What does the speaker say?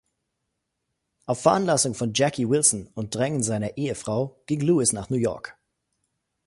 Auf Veranlassung von Jackie Wilson und Drängen seiner Ehefrau ging Lewis nach New York.